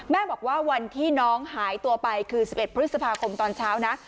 บอกว่าวันที่น้องหายตัวไปคือ๑๑พฤษภาคมตอนเช้านะ